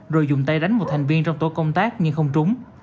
rồi dùng tay đánh một thành viên trong tổ công tác nhưng không trúng